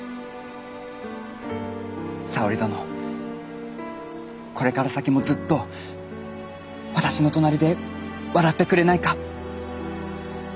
沙織殿これから先もずっと私の隣で笑ってくれないか？